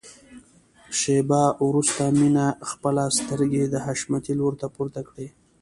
شېبه وروسته مينې خپلې سترګې د حشمتي لوري ته پورته کړې.